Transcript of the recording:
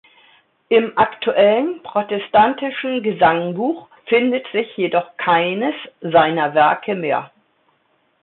Im aktuellen protestantischen Gesangbuch findet sich jedoch keines seiner Werke mehr.